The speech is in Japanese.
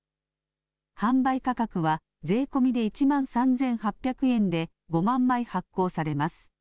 販売価格は税込みで１万３８００円で５万枚、発行されます。